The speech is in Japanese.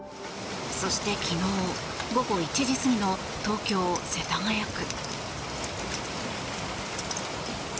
そして昨日午後１時過ぎの東京・世田谷区。